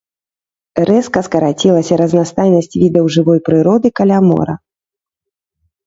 Рэзка скарацілася разнастайнасць відаў жывой прыроды каля мора.